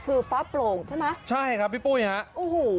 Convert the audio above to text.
คือฟ้าโปร่งใช่ไหมใช่ครับพี่ปุ้ยฮะโอ้โห